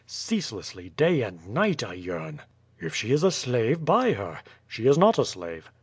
Ceaselessly, day and night I yearn." "If she is a slave, l)uy her." "She is not a slave."